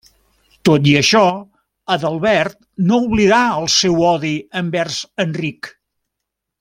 Tot i això, Adalbert no oblidà el seu odi envers Enric.